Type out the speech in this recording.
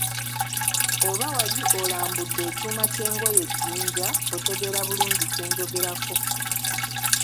Oba wali olambudde ekyuma ky'engoye e Jjinja, otegeera bulungi kye njogerako.